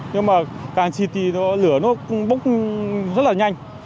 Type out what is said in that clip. nhưng mà càng xịt thì lửa nó bốc rất là nhanh